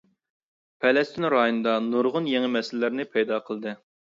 پەلەستىن رايونىدا نۇرغۇن يېڭى مەسىلىلەرنى پەيدا قىلدى.